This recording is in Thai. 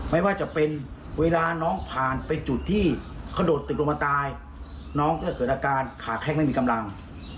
ไม่ว่าจะเป็นเวลาน้องผ่านไปจุดที่เขาโดดตึกลงมาตายน้องก็เกิดอาการขาแข้งไม่มีกำลัง